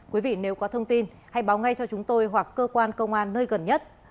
quý vị nếu có thông tin hãy báo ngay cho chúng tôi hoặc cơ quan công an nơi gần nhất